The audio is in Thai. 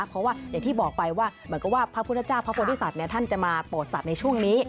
เพราะว่าอย่างที่บอกไปว่าเหมือนกับว่าพระพุทธเจ้าพระโพธิสัตว์ท่านจะมาโปรดสัตว์ในช่วงนี้